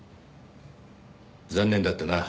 残念だったな。